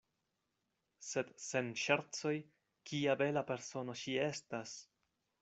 Sed sen ŝercoj, kia bela persono ŝi estas!